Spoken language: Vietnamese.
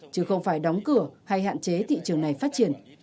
chứ không phải đóng cửa hay hạn chế thị trường này phát triển